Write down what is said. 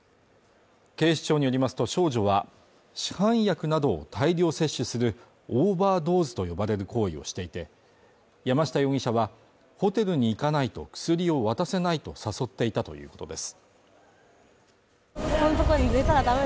警視庁によりますと少女は市販薬などを大量摂取するオーバードーズと呼ばれる行為をしていて、山下容疑者はホテルに行かないと薬を渡せないと誘っていたということです。